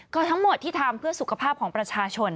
ก็ทั้งหมดที่ทำเพื่อสุขภาพของประชาชน